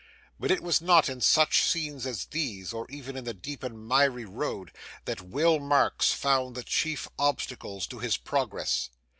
But it was not in such scenes as these, or even in the deep and miry road, that Will Marks found the chief obstacles to his progress.